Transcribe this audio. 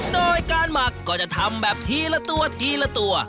โดยการหมักก็จะทำแบบทีละตัวทีละตัว